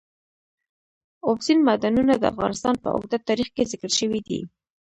اوبزین معدنونه د افغانستان په اوږده تاریخ کې ذکر شوی دی.